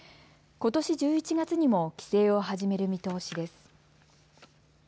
ことし１１月にも規制を始める見通しです。